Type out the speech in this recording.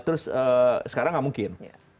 terus sekarang nggak mungkin